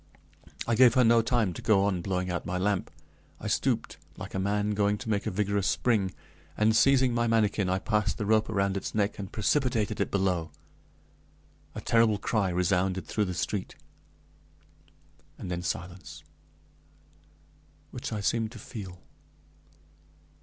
I gave her no time to go on blowing out my lamp. I stooped, like a man going to make a vigorous spring, and, seizing my manikin, I passed the rope around its neck, and precipitated it below. A terrible cry resounded through the street, and then silence, which I seemed to feel.